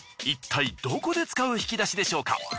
いったいどこで使う引き出しでしょうか？